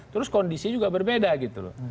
terus kondisi juga berbeda gitu loh